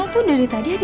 butuh panjang banget ya